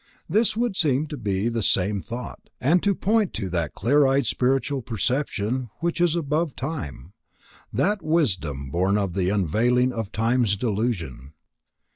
This would seem to be the same thought, and to point to that clear eyed spiritual perception which is above time; that wisdom born of the unveiling of Time's delusion.